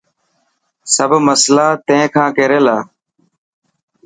سب مصلا تين کان ڪير يلا.